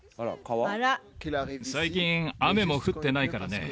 最近雨も降ってないからね